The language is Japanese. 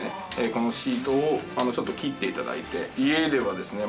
このシートをちょっと切って頂いて。